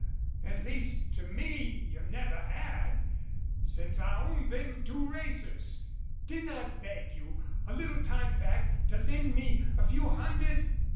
At least to me you never had, since I owned them two racers. Didn't I beg you, a little time back, to lend me a few hundred?